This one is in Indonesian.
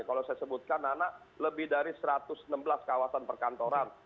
kalau saya sebutkan anak lebih dari satu ratus enam belas kawasan perkantoran